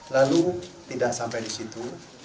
lalu tidak sampai disitu